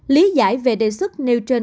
lý giải về đề xuất nêu trên